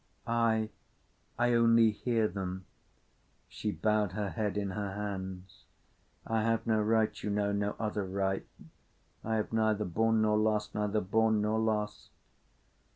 "I—I only hear them." She bowed her head in her hands. "I have no right, you know—no other right. I have neither borne nor lost—neither borne nor lost!"